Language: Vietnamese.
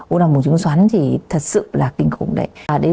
u năng buồng trứng xoắn thì thật sự là kinh khủng đấy